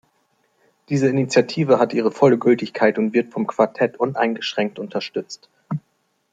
Diese Initiative hat ihre volle Gültigkeit und wird vom Quartett uneingeschränkt unterstützt.